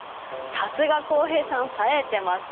さすが浩平さんさえてますね！